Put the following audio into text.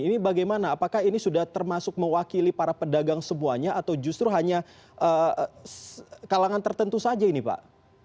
ini bagaimana apakah ini sudah termasuk mewakili para pedagang semuanya atau justru hanya kalangan tertentu saja ini pak